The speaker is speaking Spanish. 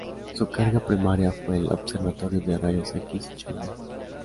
Su carga primaria fue el Observatorio de Rayos X Chandra.